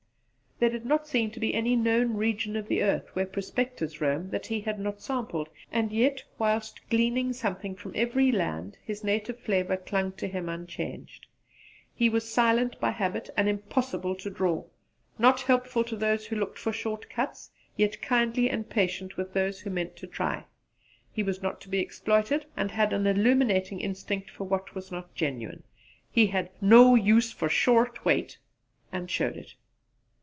There did not seem to be any known region of the earth where prospectors roam that he had not sampled, and yet whilst gleaning something from every land, his native flavour clung to him unchanged. He was silent by habit and impossible to draw; not helpful to those who looked for short cuts, yet kindly and patient with those who meant to try; he was not to be exploited, and had an illuminating instinct for what was not genuine. He had 'no use for short weight' and showed it!